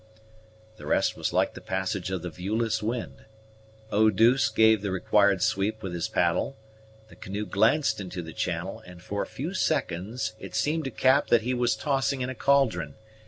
The rest was like the passage of the viewless wind. Eau douce gave the required sweep with his paddle, the canoe glanced into the channel, and for a few seconds it seemed to Cap that he was tossing in a caldron.